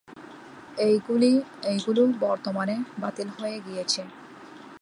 এইগুলো বর্তমানে বাতিল হয়ে গিয়েছে।